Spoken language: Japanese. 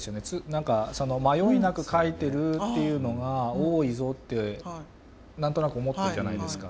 何かその迷いなく描いてるっていうのが多いぞって何となく思ってるじゃないですか。